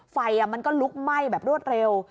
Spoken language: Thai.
ไฟมันก็ลุกไหม้แบบรวดเร็ว